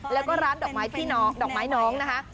แล้วก็ร้านดอกไม้พี่น้องดอกไม้น้องนะคะ